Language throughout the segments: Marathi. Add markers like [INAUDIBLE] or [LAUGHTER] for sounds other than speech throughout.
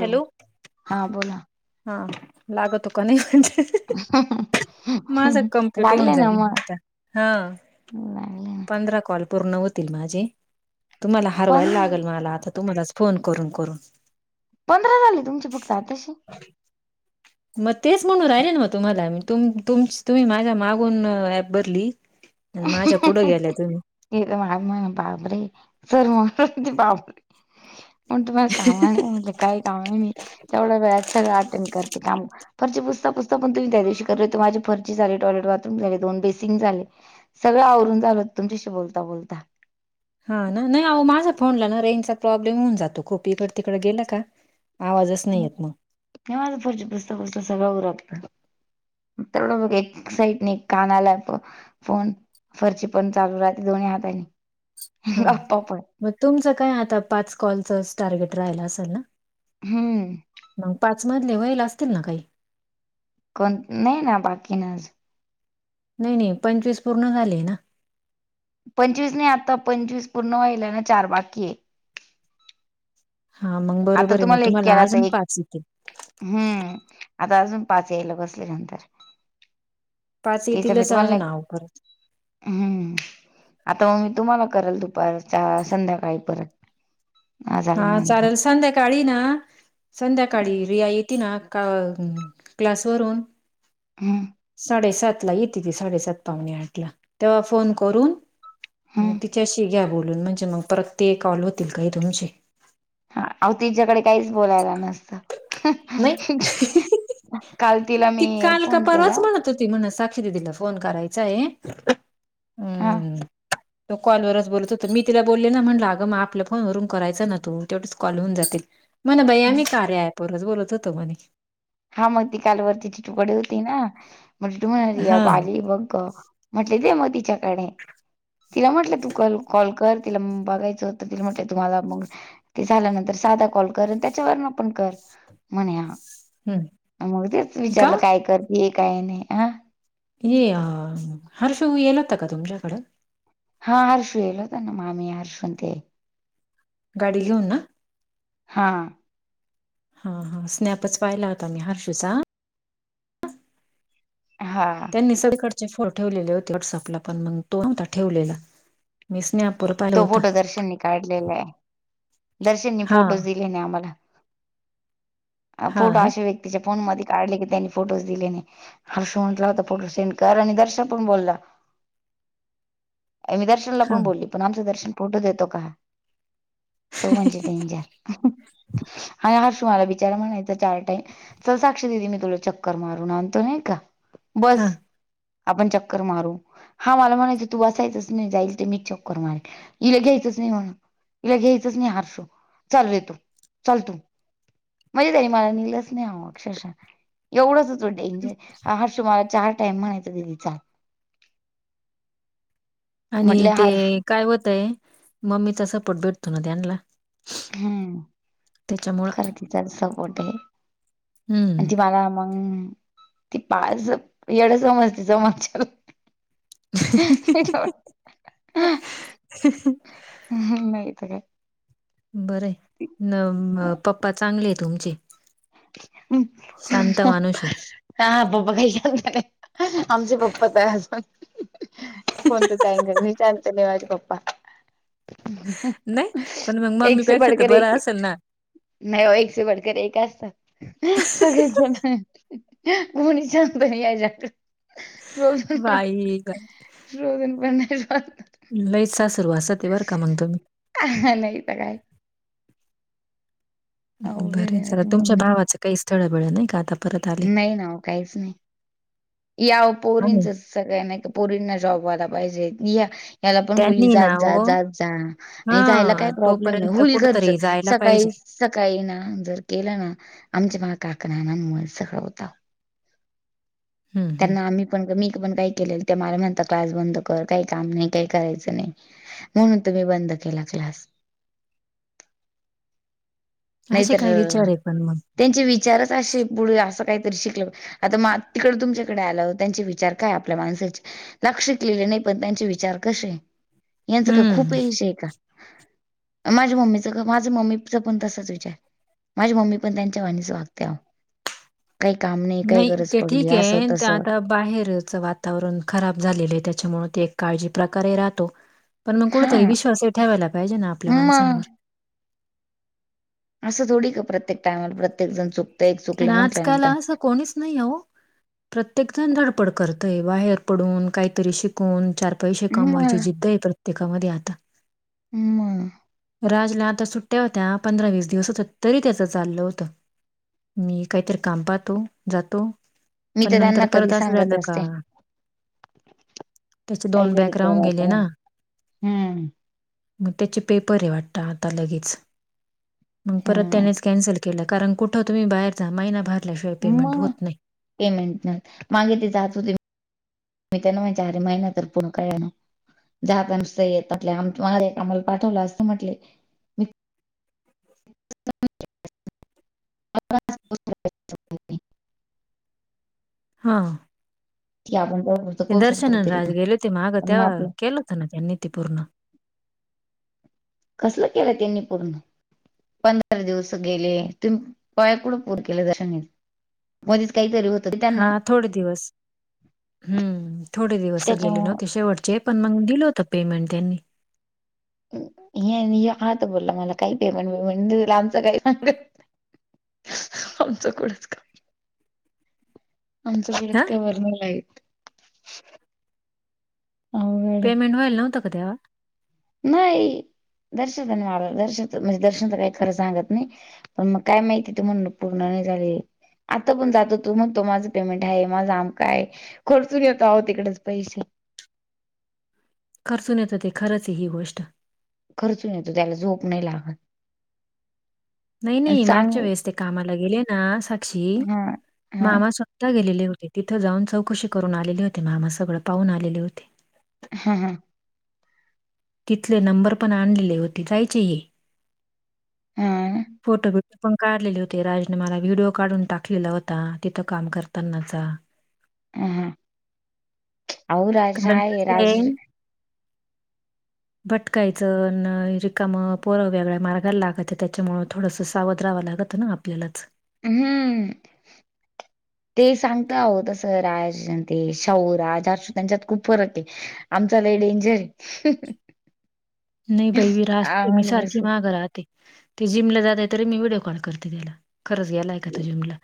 हॅलो हा बोला हा लागत हो का नाही म्हणजे माझं कम्प्लीट होऊन लागले ना जाईल मग आता हा ना पंधरा कॉल पूर्ण होतील माझे तुम्हाला पण हरवायला लाग मला आता तुम्हाला फोन करून करून पंधरा झाले तुमची फक्त आ तशी मग तेच म्हणून राहिले ना म तुम्हाला म तुम्ही माझ्या मागून ऍप भरली आणि माझ्या पुढं गेल्या तुम्ही हे माझ पापरे सर मगची पापे म तुम्हाला कामा नाही म्ह काही काम नाही तेवढ्या वेळ सगळं अटेंड करते कामची पुस् पुस्त प तुम्ही त्या दिवशी कर होते माझ फर्चीी झाले टॉयलेट बाथरूम झाले दोन बेसिंग झाले सगळं आवरून झालत तुमच्याशी बोलता बोलता हा नाही नाही अो माझा फोनला ना रेंजचा प्रॉब्लेम होऊन जातो खोप इकड तिककडे गेला का आवाजच नाही येत मग हे माझं पुढचे पुस्तक पुस्तक सगळं उरगत तेवढं मघ एक्साइट नाही कानाला प फोन फरची पण चालू राहते दोनही हातानी हा गप्पा पण मग तुमचं काय आता पाच कॉलचं टार्गेट राहिला असेल ना हम्म मग पाच मधले व्हायला असतील ना काही कोण नाही ना बाकी नाज नाही नाही पंचवीस पूर्ण झाले ना पंचवीस नाही आता पंचवीस पूर्ण व्हाला ना चार बाकी आहे हा मग आता बरोबर आहे मग एक तुम्हाला केला तर अजून एक पाच यथे हम्म आता अजून पाच येल कसल्या नंतर पाच तीच येतीलच भीती पनला अजून आहो परत हम्म आता मग मी तुम्हाला करेल दुपारच्या संध्याकाळी परत आज हा आल्यानंतर चालेल संध्याकाळी ना संध्याकाळी रिया येते ना का क्लासवररून हम् साडेसात ला येते ती साडेसात पाहणे आठ ला तेव्हा फोन करून हम्म त त्याशी घ्या बोलून म्हणजे मग परत ते कॉल होतील काही तुमचे हा तिच्याकडे काहीच बोलायला नसतं नाही काल तिला मी फोन केला म्हण साीला फोन करायचा आहे हां हम् तो कॉलवरच बोलत होत मी तिला बोलले ना म्हणलं अगं मग आपल्या फोनवरून करायचा ना तू तेवटीच कॉल होऊन जातील म्हणा भैया हा मी कार्या आहे पोरस बोलत होतो म्हणे हा मग ती कालवररतीची तुकडे होती ना म्हजे तू म्हणाली हा आली बघ म्हटले ते मग तिच्याकडे तिला म्हटलं तू कल कॉल कर तिला बघायचं तिला म्हटलं तुम्हाला मग ते झाल्यानंतर साधा कॉल कर आणि त्याच्या वून आपण कर म्हणे हम्म मग तेच का विचारलं काय करतेय काय नाही हा ये अ हरशव येल होत का तुमच्याकड हा हर्षू येल होत ना मामी हर्षून ते गाडी घेऊ ना हा हा हा स्नॅपच पाहिला होता मी हर्शूचा हा त्यांनी सगळीकडचे फो ठेवलेले होते वॉटसअपला पण मग तो नव्हता ठेवलेला मी स्ने तो फोटो दर्शननी काढलेला आहे दर्शननी हा फोटो अंबल हा ना फोटाश व त्यािच्या फोन मध्ये काढले की त्यांनी फोटोज दिलेने हर्ष म्हटला होता फोटो सेंड कर आणि दर्शन पण बोलला मी दर्शन हा ण बोलली पण आमचं दर्शन फोटो देतो का तो म्हणजे डेंजर आणि हर्षु मला बिचारा म्हणायचं चार टाईम चल साक्ष दिदी मी तुला चक्कर मारून आणतो नाही का हा बस आपण चक्कर मारू हा मला म्हणायचं तू बायचच नाही जाईल ते मी च म इिला घ्यायचच नाही म्हण इिला घ्यायचच नाही आरशो चाल रेतू चालतू म्हणजे तई मला नलंच नाही ह अक्षरशः एवढाच हो तो डेंजर हा हा शुमला चार टाइम म्हणायच दिदीचा आणि म्हटलं ते हर्षू काय होतय मम्मीचा सपोर्ट भेटतो ना त्यांला हम्म खरं तिचाच सपोर्ट आहे आणि ती हम्म मला मग ती पाच एड समज तच मगच्या वाट नाही तर काय बर न पप्पा चांगले आहे तुमचे [INAUDIBLE] शांत हा माणूस आहे. हा पप्पा काही ख्याल कर आमचे पप्पाचा हसबड कोणतं चई मी चालत नाही माझे पप्पा नाही पण मग एक से मम्मीपेक्षा तर पडकर बरं एक असेल ना नाही एक बडकर एक असत सगळे घ कोणी शांत नाही याच्यात रोजन पण बाई ग रोजन पनण्या वईचा सरू अस ते बर का म्हगतो म् हा नाही तर काय अवघड बर आहे चला माझी तुमच्या मम्मी भावाचं काही स्थळ बळ नाही का आता परत आले नाही ना काहीच नाही या आणि पोरींच सगळ्यां नाही पोरींना जॉबवाला पाहिजे या याला पण बोलली त्यांनी जात ना जा हो जात जा नाही जायला हा काय प्रॉब्लेम नाही तोपर्यंत होल घरचं कुठतरी जायला पाहिजे सकाळी सकाळी ना जर केलं ना आमच्या मा काक नानामुळे सगळं होता हम्म त्यांना हम्म आम्ही पण मी पण काही केलेलं ते मला म्हणता क्लास बंद कर काही काम नाही काही करायचं नाही म्हणून तुम्ही बंद केला क्लास नाही असे तर काय विचार आहे पण मग त्यांचे विचारच असे पुढे असं काहीतरी शिकलं आता म तिकड तुमच्या आलं त्यांचे विचार काय आपल्या माणसाचे लक्ष ललेले नाही पण त्यांचे विचार कसे यांचं काय खूप हम्म येश आहे का माझ्या मम्मीचं माझं मम्मीच पण तसाच विचार माझी मम्मी पण त्यांच्या वणीस वागते काही काम नाही काही गरज पडली असं त्या तसं आता बाहेरच वातावरण खराब झालेलं आहे त्याच्यामुळे ते एक काळजी प्रकारे राहतो. पण म हा कुठतरी विश्वास हे ठेवायला पाहिजे ना आपल्या मग. माणसांनवर. आसं थोडी का प्रत्येक टायमाला प्रत्येक जण चुकतय एक आणि चुकलं आजकाल म्हटल्यानंतर. असं कोणीच नाही हो, प्रत्येक जण धडपड करतय बाहेर पडून काहीतरी शिक कून चार पैसे कमवायची मग जिद्द आहे प्रत्येकामध्ये आता. म राजला आता सुट्ट्या होत्या पंधरा वीस दिवस होत तरी त्याचं चाललं होतं. मी काहीतरी काम पाहतो जातो. मी पण तर नंतर त्यांना कधी परत आसं सांगत झालं का? असते त्याचे दोन काहीतरी बॅक राहून करा गेले करा. ना. हम्म म त्याचे पेपर आहे वाटत आता लगेच मग परत हम्म त्यानेच कॅन्सल केलं. कारण कुठं तुम्ही बाहेर जा महिना भर म पेमेंट नाई मागे ते जात होते. [UNINTELLIGIBLE] मी त्यांना मा अारी महिन्या तर पुूर्ण कळणार जात नुस येत आप आला आम्हाला पाठवलं असं म्हटले मी [INAUDIBLE] [UNINTELLIGIBLE] हां. ती आपण बरोबर. ते दर्शना न राज गेले हो ते मागं तेव्हा केलं होत ना त्यांनी ते पूर्ण. कसलं केलं त्यांनी पूर्ण? पंधरा दिवस गेले तुम्ही पाया कुडं पूर केल का त्यानी. मध्येच काहीतरी होत. हा थोडे दिवस हम्म थोडे दिवस गेले ना त्याच्यामुळ ते शेवटचे. पण मंग दिल होत पेमेंट त्यांनी. ह हात बोलला मला काही पेमंटे बिमेंट म आमचं काही सांगत आमच पुरस्कार [UNINTELLIGIBLE] म्हणजे हां, एकटे वरणल आहे. अवघड आहे पेमेंट व्हाय नव्हं का तेवा? नाही दर्शत वा दर्श म्हणजे दर्शन तर काही खरं सांगत नाही. पण मग काय माहिती तु म्हण पूर्ण नाही झाली. आता पण जातो तो म्हनतो माझं पेमेंट आहे माझं आमक आहे. खर्चून येतो आहो तिकडेच पैसे. खर्चून येतो कि खरंच आहे ही गोष्ट. खर्चून येतो त्याला झोप नाही लागत. नई आणि नई चांग मागच्या वेळेस् ते कामाला गेले ना साक्षी हा हा मामा स गेलेले होते तिथं जाऊन चौकशी करून आलेले होते मामा सगळं पाहून आलेले होते. ह्ये ह्ये तिथले नंबर पण आणलेले होते जायचे हे हा फोटो बी पण काढलेली होते राजने मला व्हिडिओ काढून टाकलेला होता तिथं काम करतांनाचा. [INAUDIBLE] ऍ हा आओ राज कारण आहे कसं राज. भटकायचं न रिकाम पोरं वेगळ्या मार्गायला लागत त्याच्यामुळं थोडंसं सावध रावं लागतं ना आप पेलाच. अ हम्म. [INAUDIBLE] ते सांगता आहो तसं राज अनं ते शाहूरा हर्ष त्यांच्यात खूप फरक आहे. आमचा लय डेंजर आये. नई बई रास् मी बस सारखी मांग राहते. ते जिमला जाते तरी मी व्हिडिओ कॉल करते त्याला खरंच गेलाय का तो जिमला.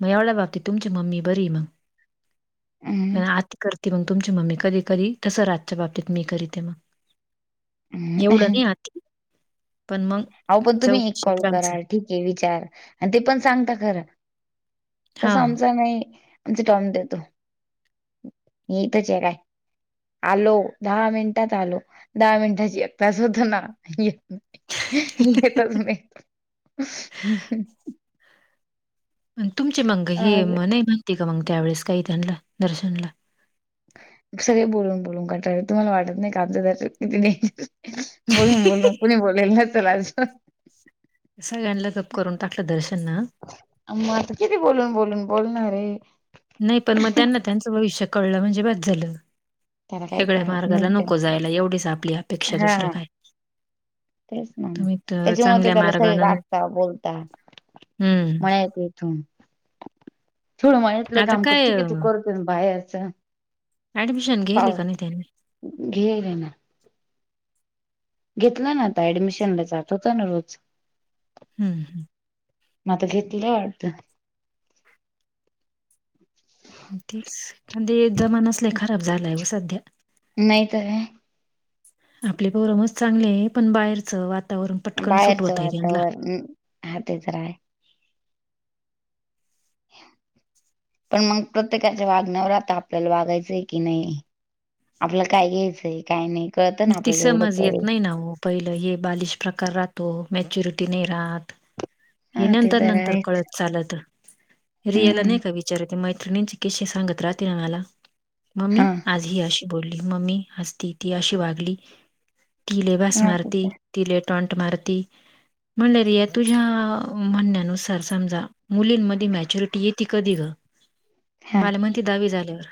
म एवढ्याबाबती तुमची मम्मी बरीय मग हम् पण आती करती मग तुमची मम्मी कधी कधी तसं राजच्या बाबतीत मी करीते मं एवढं हम्म नाही आती पण मग आ वो पण तुम्ही एक कॉल चौकशीत राहायचं. कराल. ठीक आहे विचार आणि ते पण सांगता खरं तस हां. आमचा नाही. [UNINTELLIGIBLE] च टॉम देतो मी इथचंय काय आलो दहा मिनिटात आलो दहा मिनिटाची एक तास होतो ना येतच नाही. [INAUDIBLE] तुमचे मग हे आज नाही म्हनते का मग त्यावेेळेस काही त्यांना दर्शनला सगळे बोलून बोलून कटांळले तुम्हाला वाटत नाहीका आमचं दर्शन किती [UNINTELLIGIBLE] नाही बोलून बोलून कुणी बोलेल तर चलज [UNINTELLIGIBLE] सगळ्यांना गप करून टाकलं दर्शन आ मं आता किती बोलून बोलून बोलणारे. नाही पण मग त्यांना त्यांचं भविष्य कळलं म्हणजे बाज झालं. त्याला काही वेगळ्या कळत मार्गाला नाही ते नको जायला एवढीच आपली अपेक्षा दुसरं हा काय? तेच म तुम्ही त्याच्यामुळं तर चांगल्या त्याला सगळे मार्गानं डाटता बोलता हं. मण ती [UNINTELLIGIBLE] थोडं मळ्यातलं आता काम काय करती की अ, तो करतो बाहेरचं अऍडमिशन घेयेलं का नाही त्यांनी? घेयेलय ना घेतलं ना आता ऍडमिशन ला जात होता ना रोज हम्म हम् मता घेतलं [UNINTELLIGIBLE] तेच पण जमानाच लय खराब झालाय वो सध्या नाहीतर काय आपले पोरं मस चांगले पण बाहेरचं वातावरण पटकन सूट बाहेरचं होतंय त्यांना. वातावरण हा ते तर आहे. पण मग प्रत्येकाच्या वागण्यावर राहतं आपल्याला वागायचंय की नाही. आपल्याला काय घ्यायचंय काय नाही. कळतं ना ती आपल्याला एवढं समज तरी येत नाही. ना वो पहिलं हे बालिश प्रकार राहतो मॅच्युरिटी नाही राहत. हे हा ते नंतर तर नंतर आहेच कळत चालंत रियाला हम्म. नाही का विच च मैत्रिणीचे किस्से सांगत राहती ना मला, हा मम्मी ही अशी बोलली मम्मी आज ती ती अशी वागली ती लय वास हा ते मारती. तर ती लय टॉंट मारती म्हणल्याने या तुझ्या म्हणण्यानुसार समजा मुलींमध्ये मॅच्युरिटी येती कधी ग? हा माला म्हणती दहावी झाल्यावर.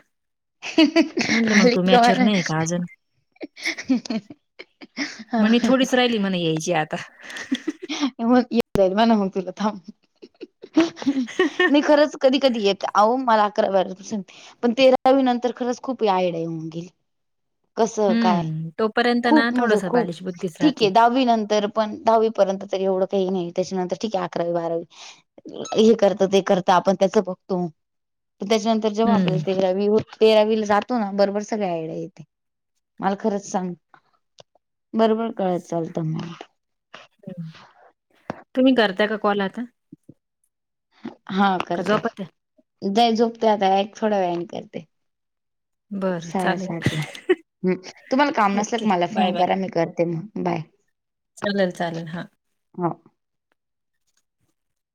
म्हणलं मग तू मॅच्युअर नाही का अजून? [UNINTELLIGIBLE] म्हणे थोडीच राहिली म्हणे यायची आता मग येत जाईल [INAUDIBLE] ना मग तुला थांब नाही खरंच कधी कधी येते अहो मला अकरा बारावी पासून पण तेरावी नंतर खरंच खूप आयाडिया येऊन गेली. कसं काय हम्म, तोपर्यंत ना खूप म्हणजे थोडंसं खूप बालिश बुद्धीच ठीक आहे राहते. दहावी नंतर पण दहावीपर्यंत तरी एवढं काही नाही त्याच्यानंतर ठीक आहे अकरावी बारावी हे करतं ते करतं आपण त्याचं बघतो त्याच्यानंतर जेव्हा हम्म, आपल्याला तेरावी तेरावीला जातो. तो ना बरोबर सगळ्या आयडिया येती मला खरंच सांग बरोबर कळत चालतं म तुम्ही करता का कॉल आता? हा का झोपत्या? करते [INAUDIBLE] झोपते आता थोडा वेळाने करते. बरं सहा चालेल. सातला. हम तुम्हांला काम नसलं ओके, की मला बाय फोन बाय. करा मी करते मग बाय. चालेल चालेल हा, ह.